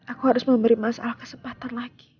aku harus memberi masalah kesempatan lagi